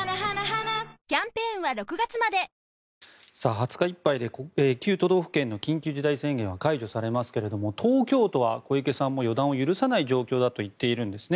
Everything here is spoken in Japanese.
２０日いっぱいで９都道府県の緊急事態宣言は解除されますが東京都は小池さんも予断を許さない状況だと言っているんですね。